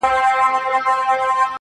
او دا بل جوال د رېګو چلومه٫